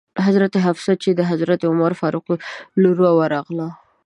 حضرت حفصه چې د حضرت عمر فاروق لور وه ورغله.